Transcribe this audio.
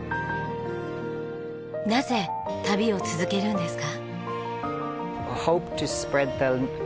なぜ旅を続けるんですか？